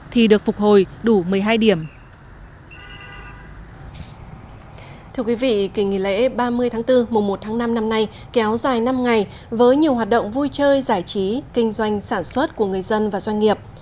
thì được phục hồi đủ một mươi hai điểm